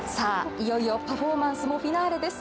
いよいよパフォーマンスもフィナーレです。